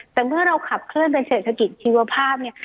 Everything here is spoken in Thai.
แต่เมื่อเราขับเคลื่อนเป็นเศรษฐกิจชีวภาพเนี่ย